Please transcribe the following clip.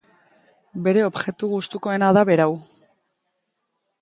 Bere objektu gustukoena da berau.